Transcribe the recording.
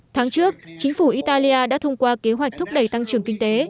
tháng trước chính phủ italia đã thông qua kế hoạch thúc đẩy tăng trưởng kinh tế